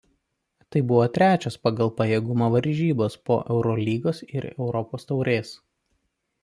Tai buvo trečios pagal pajėgumą varžybos po Eurolygos ir Europos taurės.